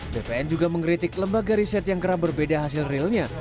bpn juga mengkritik lembaga riset yang kerap berbeda hasil realnya